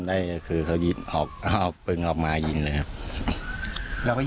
แล้วโดนตรงไหนครับ